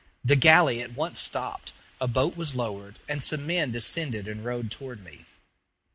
The galley at once stopped, a boat was lowered, and some men descended and rowed toward me.